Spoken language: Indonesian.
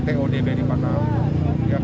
untuk todb di padang